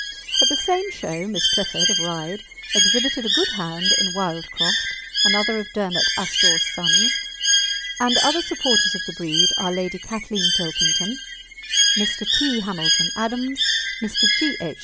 At the same show Miss Clifford, of Ryde, exhibited a good hound in Wildcroft, another of Dermot Astore's sons, and other supporters of the breed are Lady Kathleen Pilkington, Mr. T. Hamilton Adams, Mr. G. H.